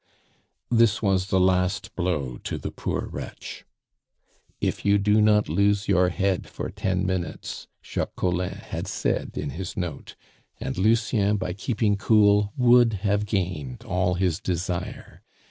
This was the last blow to the poor wretch. "If you do not lose your head for ten minutes," Jacques Collin had said in his note, and Lucien by keeping cool would have gained all his desire.